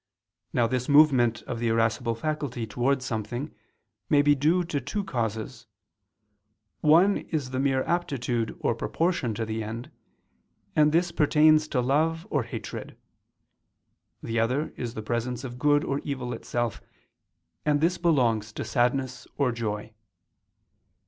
Now this movement of the irascible faculty towards something may be due to two causes: one is the mere aptitude or proportion to the end; and this pertains to love or hatred; [the other is the presence of good or evil itself,] and this belongs to sadness or joy.